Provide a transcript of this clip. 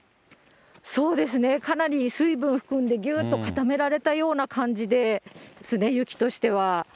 そうですね、かなり水分含んで、ぎゅーっと固められたような感じですね、雪としては。